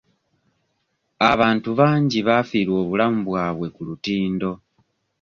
Abantu bangi baafiirwa obulamu bwabwe ku lutindo.